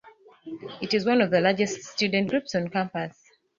It is one of the largest student groups on campus.